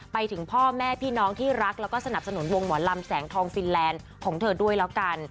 ไปถึงพ่อแม่พี่น้องที่รักแล้วก็สนับสนุนวงหมอลำแสงทองฟินแลนด์ของเธอด้วยแล้วกัน